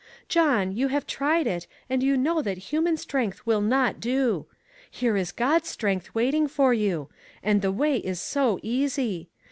John, you have tried it, and you know that human strength will not do. Here is God's strength wait ing for you. And the way is so easy.